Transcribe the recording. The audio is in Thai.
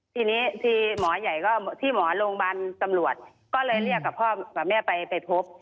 ที่หมอโรงพยาบาลตำรวจก็เลยเรียกกับพ่อแม่ไปพบ